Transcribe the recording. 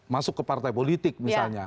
masuk ke partai politik misalnya